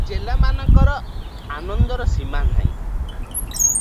ଚେଲାମାନଙ୍କର ତ ଆନନ୍ଦର ସୀମା ନାହିଁ ।